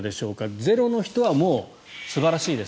ゼロの人はもう、素晴らしいです。